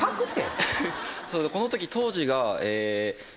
このとき当時が。